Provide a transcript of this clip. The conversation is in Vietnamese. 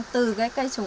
từ cây chủ